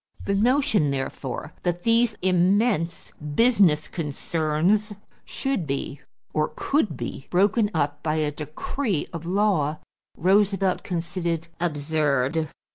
The notion, therefore, that these immense business concerns should be or could be broken up by a decree of law, Roosevelt considered absurd.